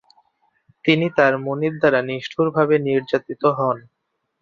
তিনি তার মনিব দ্বারা নিষ্ঠুরভাবে নির্যাতিত হন।